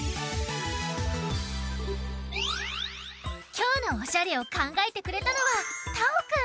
きょうのオシャレをかんがえてくれたのはたおくん。